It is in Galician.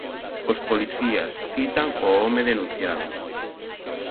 Os policías citan o home denunciado.